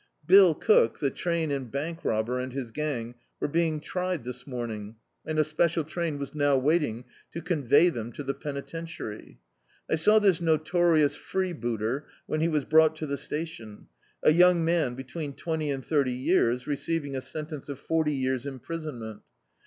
Bill Cook, the train and bank robber, and his gang, were being tried this morning, and a special train was now waiting to oxivey them to the penitentiary. I saw this notorious free booter, when he was brought to the station — a young man be tween twenty and thirty years, receiving a sentence of forty years' impriscHiment.